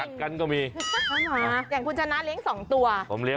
เป็นแมวก็อย่าแกล้งกันเพียงแบบนี้เลย